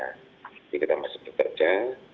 jadi kita masih bekerja